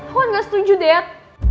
wah gak setuju dad